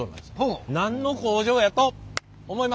何の工場やと思いますか？